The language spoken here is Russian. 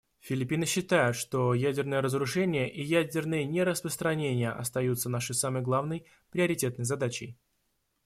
Филиппины считают, что ядерное разоружение и ядерное нераспространение остаются нашей самой главной, приоритетной задачей.